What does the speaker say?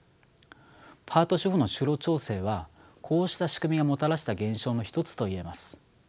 パート主婦の就労調整はこうした仕組みがもたらした現象の一つと言えます。